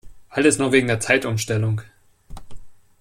Alles nur wegen der Zeitumstellung!